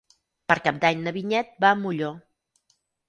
Per Cap d'Any na Vinyet va a Molló.